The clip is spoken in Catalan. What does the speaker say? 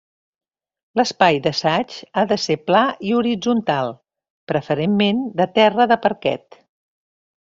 L'espai d'assaig ha de ser pla i horitzontal, preferentment de terra de parquet.